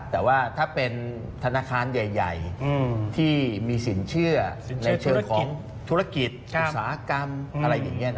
แต่ว่าถ้าเป็นธนาคารใหญ่ที่มีสินเชื่อในเชิงของธุรกิจอุตสาหกรรมอะไรอย่างนี้